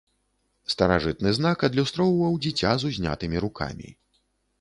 Старажытны знак адлюстроўваў дзіця з узнятымі рукамі.